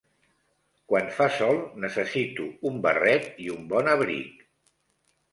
Quan fa sol necessito un barret i un bon abric.